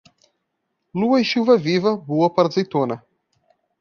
Lua e chuva viva, boa para a azeitona.